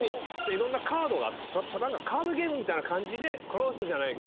いろんなカードがあってカードゲームみたいな感じでこの人じゃないか？